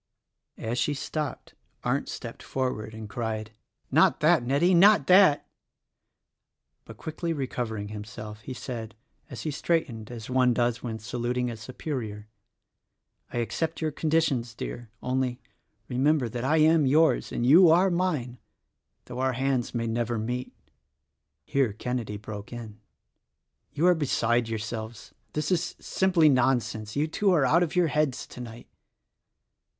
As she stopped, Arndt stepped forward and cried,— 34 THE RECORDING ANGEL "Not that, Nettie, not that!" but quickly recovering him self he said — as he straightened as one does when saluting a superior, "I accept your conditions, dear; only, remember that I am yours and you are mine — though our hands may never meet." Here Kenedy broke in: "You are beside yourselves. This is simply nonsense! You two are out of your heads tonight."